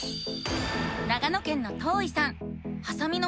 長野県のとういさん。